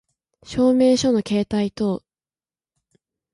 証明書の携帯等